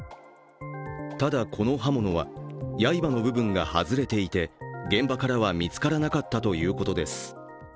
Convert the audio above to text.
ただ、この刃物は、やいばの部分が外れていて現場からは見つからなかったということです。